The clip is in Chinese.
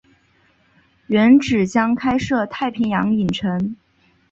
原址将开设太平洋影城。